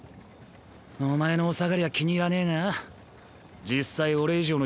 お前のお下がりは気に入らねぇが実際俺以上の人材がいるか？